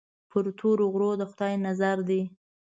پر تورو غرو د خدای نظر دی.